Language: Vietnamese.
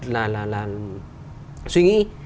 là là là suy nghĩ